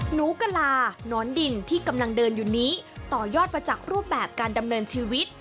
หนูกะลานอนดินที่กำลังเดินอยู่นี้ต่อยอดมาจากรูปแบบการดำเนินชีวิต